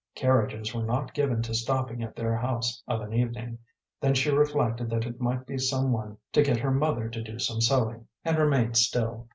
Carriages were not given to stopping at their house of an evening; then she reflected that it might be some one to get her mother to do some sewing, and remained still.